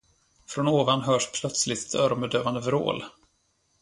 Från ovan hörs plötsligt ett öronbedövande vrål.